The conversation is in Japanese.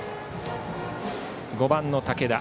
５番の武田。